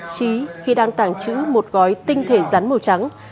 trí khi đang tàng trữ một gói tinh thể rắn màu trắng